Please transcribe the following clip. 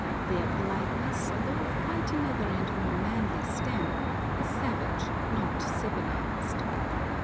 Their politeness, though of quite another and more manly stamp, is savage, not civilised.